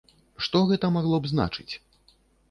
Што гэта магло б значыць?